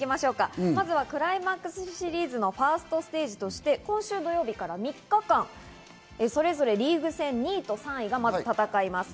まずクライマックスシリーズのファーストステージとして今週土曜日から３日間、それぞれリーグ戦２位と３位がまず戦います。